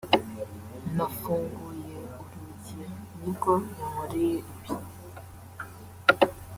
nafunguye urugi nibwo yankoreye ibi